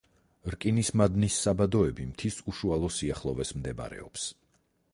რკინის მადნის საბადოები მთის უშუალო სიახლოვეს მდებარეობს.